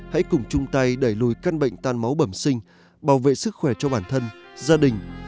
hãy cùng chung tay đẩy lùi căn bệnh tan máu bẩm sinh bảo vệ sức khỏe cho bản thân gia đình